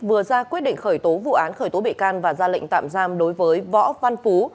vừa ra quyết định khởi tố vụ án khởi tố bị can và ra lệnh tạm giam đối với võ văn phú